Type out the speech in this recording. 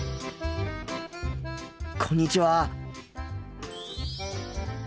こんにちは。